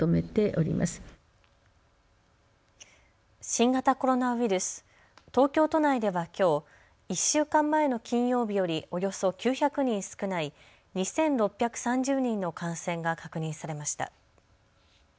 新型コロナウイルス東京都内ではきょう１週間前の金曜日よりおよそ９００人少ない２６３０人の感染が確認されました。